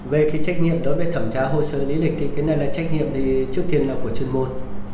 về cái trách nhiệm đối với thẩm tra hồ sơ lý lịch thì cái này là trách nhiệm trước tiên là của chuyên môn